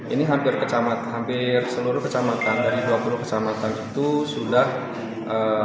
ini hampir seluruh kecamatan dari dua puluh kecamatan itu sudah eee